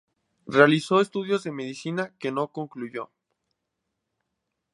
Realizó estudios de Medicina que no concluyó.